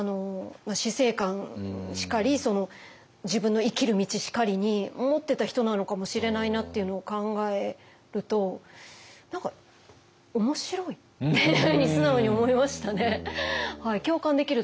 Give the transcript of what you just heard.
死生観しかり自分の生きる道しかりに持ってた人なのかもしれないなっていうのを考えると何かおもしろいっていうふうに素直に思いましたね。